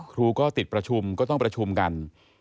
ครูก็ติดประชุมก็ต้องประชุมกัน